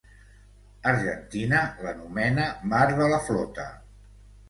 Argentina l'anomena Mar de la Flota.